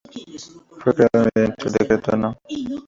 Fue creado mediante el Decreto No.